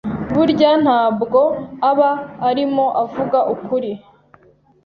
’ burya nta bwo aba arimo avuga ukuri